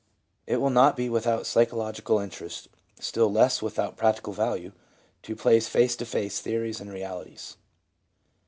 It will not be without psychological interest, still less without practical value, to place face to face theories and realities.